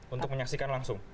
untuk menyaksikan langsung